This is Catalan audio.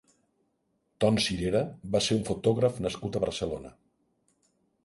Ton Sirera va ser un fotògraf nascut a Barcelona.